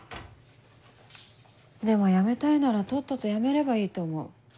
でも辞めたいならとっとと辞めればいいと思う。